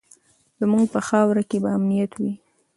زموږ په خاوره کې به امنیت وي.